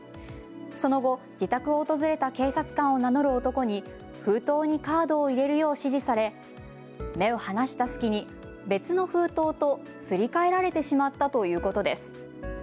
その後、自宅を訪れた警察官を名乗る男に封筒にカードを入れるよう指示され目を離した隙に別の封筒とすり替えられてしまったということです。